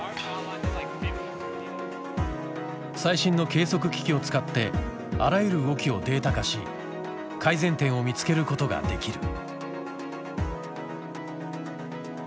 最新の計測機器を使ってあらゆる動きをデータ化し改善点を見つけることができる。